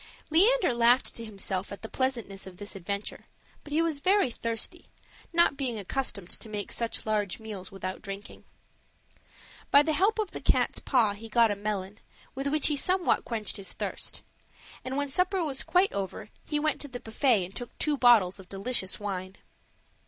Leander laughed to himself at the pleasantness of this adventure; but he was very thirsty, not being accustomed to make such large meals without drinking. By the help of the cat's paw he got a melon, with which he somewhat quenched his thirst; and when supper was quite over, he went to the buffet and took two bottles of delicious wine.